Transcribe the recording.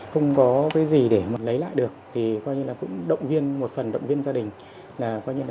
không có cái gì để lấy lại được thì cũng động viên một phần động viên gia đình